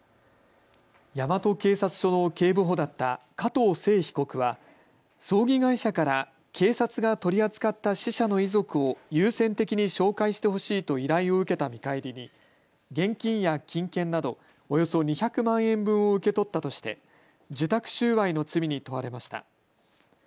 大和警察署の警部補だった加藤聖被告は葬儀会社から警察が取り扱った死者の遺族を優先的に紹介してほしいと依頼を受けた見返りに現金や金券などおよそ２００万円分を受け取ったとして受託収賄の罪に問われました。